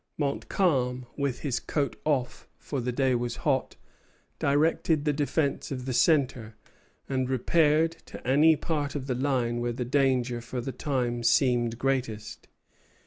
Montcalm, with his coat off, for the day was hot, directed the defence of the centre, and repaired to any part of the line where the danger for the time seemed greatest.